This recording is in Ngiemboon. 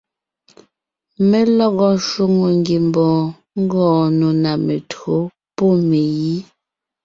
Lelɔgɔ shwòŋo ngiembɔɔn ngɔɔn nò ná mentÿǒ pɔ́ megǐ.